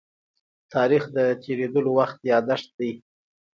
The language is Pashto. تاریخ د تېرېدلو وخت يادښت دی.